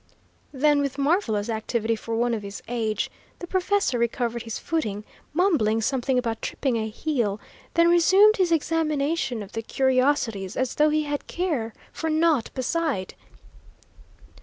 Then, with marvellous activity for one of his age, the professor recovered his footing, mumbling something about tripping a heel, then resumed his examination of the curiosities as though he had care for naught beside.